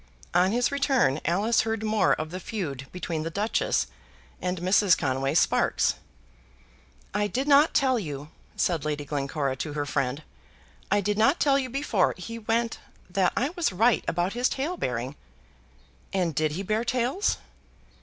On his return Alice heard more of the feud between the Duchess and Mrs. Conway Sparkes. "I did not tell you," said Lady Glencora to her friend; "I did not tell you before he went that I was right about his tale bearing." "And did he bear tales?"